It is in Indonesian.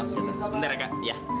sebentar ya kak